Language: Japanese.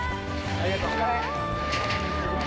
ありがとう。